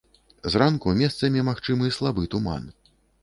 Зранку месцамі магчымы слабы туман.